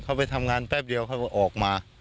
เขาไปทำงานแป๊บเดียวเขาก็ออกมา